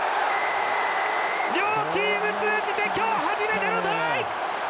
両チーム通じて今日初めてのトライ！